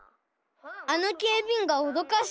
あのけいびいんがおどかしたんだ。